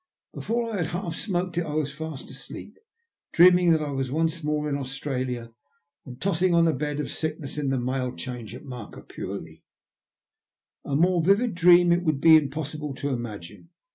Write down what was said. Before I had half smoked it I was fast asleep, dreaming that I was once more in Australia and tossing on a bed of sickness in the Mail Change at Markapurlie. A more vivid dream it would be impossible to imagine.